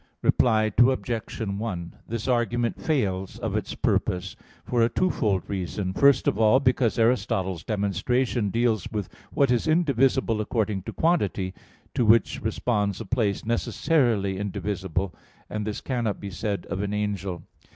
Reply Obj. 1: This argument fails of its purpose for a twofold reason. First of all, because Aristotle's demonstration deals with what is indivisible according to quantity, to which responds a place necessarily indivisible. And this cannot be said of an angel.